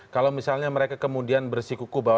kalau misalnya mereka kemudian bersikuku bahwa